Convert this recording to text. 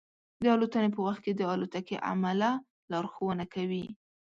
د الوتنې په وخت کې د الوتکې عمله لارښوونه کوي.